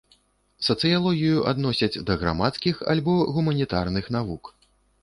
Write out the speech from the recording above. Сацыялогію адносяць да грамадскіх альбо гуманітарных навук.